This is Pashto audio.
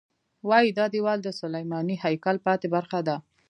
وایي دا دیوال د سلیماني هیکل پاتې برخه ده.